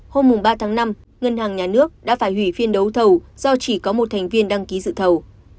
hôm ba tháng năm ngân hàng nhà nước đã phải hủy phiên đấu thầu do chỉ có một thành viên đăng ký dự thầu